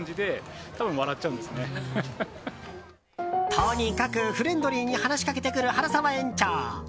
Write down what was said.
とにかくフレンドリーに話しかけてくる原澤園長。